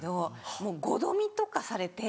もう５度見とかされて。